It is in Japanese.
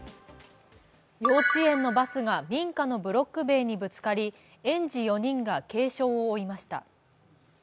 幼稚園のバスが民家のブロック塀にぶつかり、園児４人が軽傷を負いました。